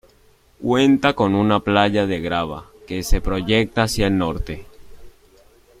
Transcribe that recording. Cuenta con una playa de grava que se proyecta hacia el norte.